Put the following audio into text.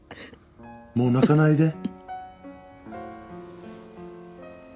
もう泣かないで。